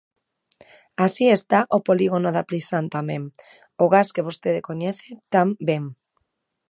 Así está o Polígono da Plisán tamén, o gas que vostede coñece tan ben.